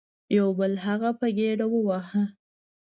یو بل هغه په ګیډه وواهه.